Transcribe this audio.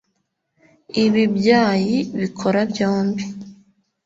Ibi byayi bikora byombi